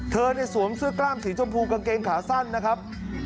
เธอเนี่ยสวมเสื้อกล้ามสีชมพูกางเกงขาสั้นนะครับ